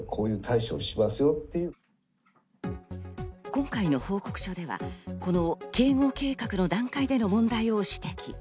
今回の報告書ではこの警護計画の段階での問題を指摘。